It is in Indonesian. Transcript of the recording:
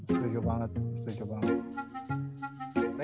setuju banget setuju banget